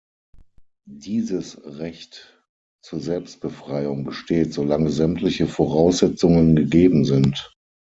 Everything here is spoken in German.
Dieses Recht zur Selbstbefreiung besteht, solange sämtliche Voraussetzungen gegeben sind.